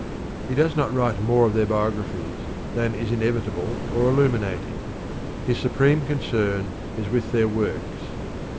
He does not write more of their biographies than is inevitable or illuminating: his supreme concern is with their works.